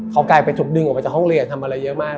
เขากลายไปถูกดึงออกมาจากห้องเรียนทำอะไรเยอะมาก